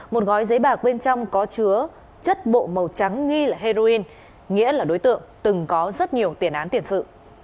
một gói giấy bạc bên trong có chứa chất bộ màu trắng nghi là heroin nghĩa là đối tượng từng có rất nhiều tiền án tiền sự